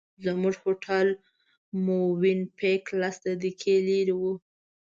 زموږ هوټل مووېن پېک لس دقیقې لرې و.